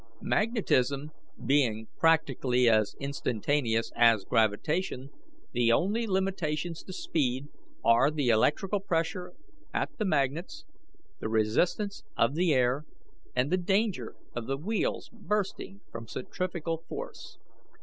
"Magnetism being practically as instantaneous as gravitation, the only limitations to speed are the electrical pressure at the magnets, the resistance of the air, and the danger of the wheels bursting from centrifugal force.